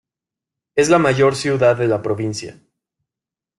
Es la mayor ciudad de la provincia.